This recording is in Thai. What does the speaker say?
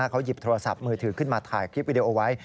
เขาหยิบโทรศัพท์มือถือขึ้นมาถ่ายคลิปวิดีโอไว้